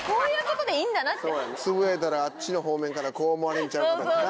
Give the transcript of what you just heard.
つぶやいたらあっちの方面からこう思われるんちゃうかとかな。